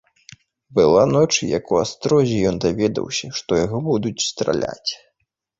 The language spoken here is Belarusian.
Была ноч, як у астрозе ён даведаўся, што яго будуць страляць.